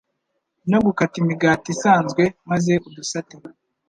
no gukata imigati isanzwe, maze udusate